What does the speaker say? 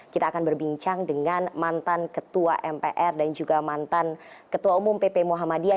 kita akan berbincang dengan mantan ketua mpr dan juga mantan ketua umum pp muhammadiyah